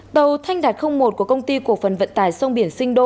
tàu thanh đạt một của công ty cộng phần vận tài sông biển sinh đô